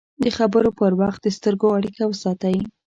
د خبرو پر وخت د سترګو اړیکه وساتئ